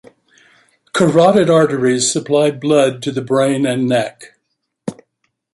Carotid arteries supply blood to the brain and neck.